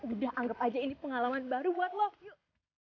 udah anggap aja ini pengalaman baru buat lo yuk